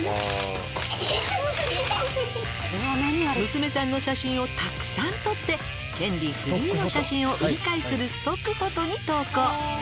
「娘さんの写真をたくさん撮って権利フリーの写真を売り買いするストックフォトに投稿」